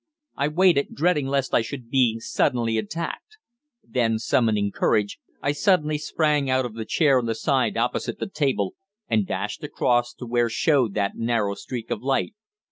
I waited, dreading lest I should be suddenly attacked. Then, summoning courage, I suddenly sprang out of the chair on the side opposite the table, and dashed across to where showed that narrow streak of light.